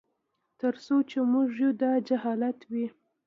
تر څو چي موږ یو داجهالت وي